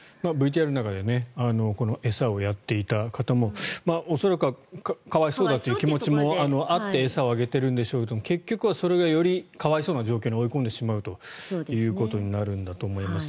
ＶＴＲの中で餌をやっていた方も恐らくは可哀想だという気持ちもあって餌をあげてるんでしょうけど結局はそれがより可哀想な状況に追い込んでしまうということになるんだと思います。